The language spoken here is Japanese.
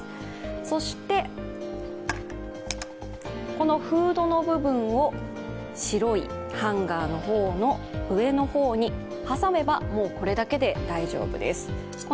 そして、フードの部分を白いハンガーの方の上の方に挟めば、これだけで大丈夫です。